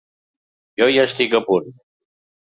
Jo ja estic a punt.